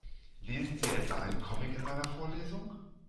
Lesen Sie etwa einen Comic in meiner Vorlesung?